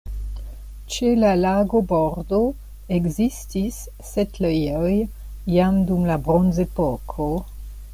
Ĉe la lagobordo ekzistis setlejoj jam dum la bronzepoko.